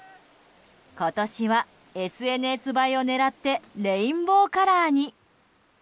今年は、ＳＮＳ映えを狙ってレインボーカラーに。